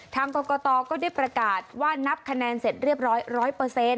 ทางกรกตก็ได้ประกาศว่านับคะแนนเสร็จเรียบร้อย๑๐๐